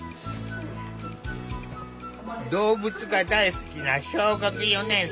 動物が大好きな小学４年生。